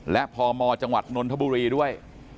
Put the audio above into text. และพมจนธบุรีด้วย